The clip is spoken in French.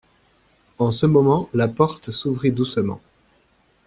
En ce moment la porte s'ouvrit doucement.